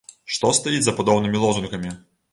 Што стаіць за падобнымі лозунгамі?